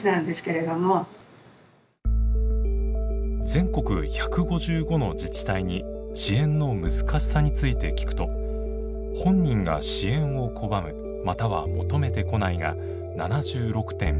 全国１５５の自治体に支援の難しさについて聞くと「本人が支援を拒むまたは求めてこない」が７６．１％。